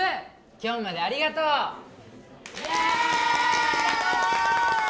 今日までありがとうイエーイ！